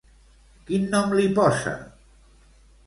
Quin nom li posa?